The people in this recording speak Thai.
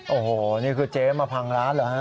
โอ้โหนี่คือเจ๊มาพังร้านเหรอฮะ